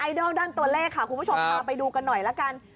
ดอลด้านตัวเลขค่ะคุณผู้ชมพาไปดูกันหน่อยละกัน